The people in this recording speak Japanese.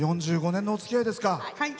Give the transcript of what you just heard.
４５年のおつきあいですか。